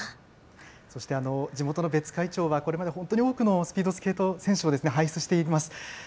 そして地元の別海町は、これまで本当に多くのスピードスケート選手を輩出しています。